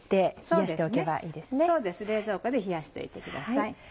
そうです冷蔵庫で冷やしておいてください。